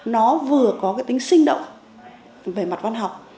nó vừa có cái tính sinh động về mặt văn học